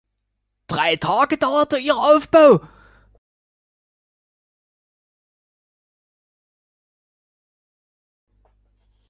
Drei Tage dauerte ihr Aufbau.